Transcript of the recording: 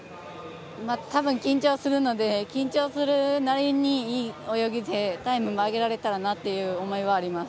多分緊張するので緊張するなりに、いい泳ぎでタイムも上げられたらなという思いはあります。